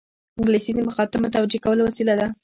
انګلیسي د مخاطب متوجه کولو وسیله ده